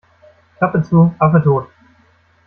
Klappe zu, Affe tot.